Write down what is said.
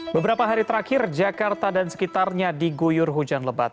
beberapa hari terakhir jakarta dan sekitarnya diguyur hujan lebat